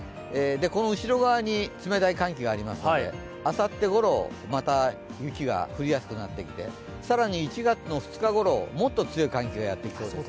この後ろ側に冷たい寒気があたますので、あさってごろまた雪は降りやすくなってきて更に１月の２日ごろもっと強い寒気がやってくるんです。